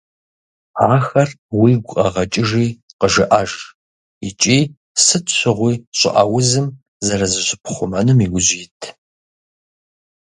Ахэр уигу къэгъэкӀыжи къыжыӀэж икӀи сыт щыгъуи щӀыӀэ узым зэрызыщыпхъумэнум иужь ит.